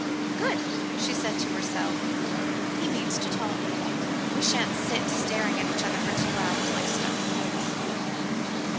"Good!" said she to herself; "he means to talk. We shan't sit staring at each other for two hours like stuck pigs.